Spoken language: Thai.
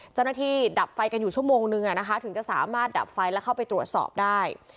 เจ้าหน้าที่ดับไฟกันอยู่ชั่วโมงนึงอ่ะนะคะถึงจะสามารถดับไฟแล้วเข้าไปตรวจสอบได้